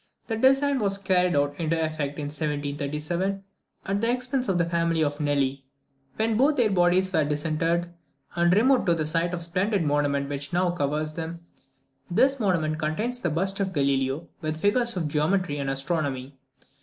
This design was not carried into effect till 1737, at the expense of the family of Nelli, when both their bodies were disinterred, and removed to the site of the splendid monument which now covers them. This monument contains the bust of Galileo, with figures of Geometry and Astronomy.